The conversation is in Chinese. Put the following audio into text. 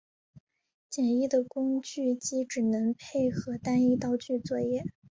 简易的工具机只能配合单一刀具作业。